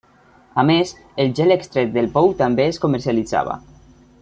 A més, el gel extret del pou també es comercialitzava.